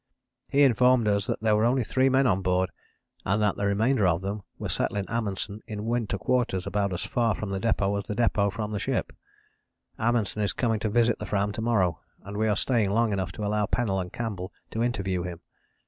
"He informed us that there were only three men on board and that the remainder of them were settling Amundsen in winter quarters about as far from the depôt as the depôt was from the ship. Amundsen is coming to visit the Fram to morrow, and we are staying long enough to allow Pennell and Campbell to interview him.